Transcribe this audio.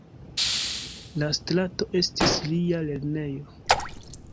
La strato estis lia lernejo.